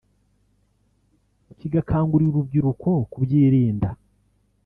kigakangurira urubyiruko kubyirinda